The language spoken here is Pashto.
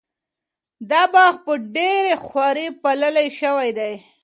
دا باغ په ډېره خواري پالل شوی دی.